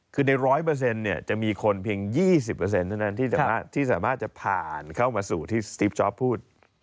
คือใน๑๐๐จะมีคนเพียง๒๐เท่านั้นที่สามารถจะผ่านเข้ามาสู่ที่สติฟจอปพูด